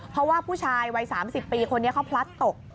เพราะว่าผู้ชายวัย๓๐ปีคนนี้เขาพลัดตก